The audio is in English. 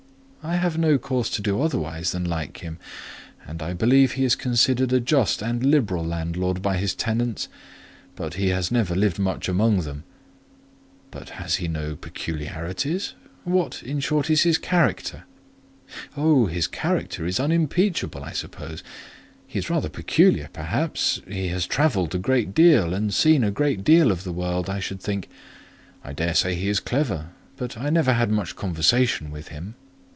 "I have no cause to do otherwise than like him; and I believe he is considered a just and liberal landlord by his tenants: but he has never lived much amongst them." "But has he no peculiarities? What, in short, is his character?" "Oh! his character is unimpeachable, I suppose. He is rather peculiar, perhaps: he has travelled a great deal, and seen a great deal of the world, I should think. I dare say he is clever, but I never had much conversation with him."